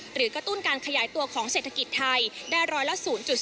กระตุ้นการขยายตัวของเศรษฐกิจไทยได้ร้อยละ๐๔